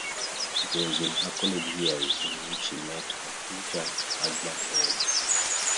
It was in her college years in which she met her future husband Bob.